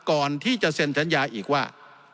ก่อนที่จะเซ็นสัญญาอีกว่า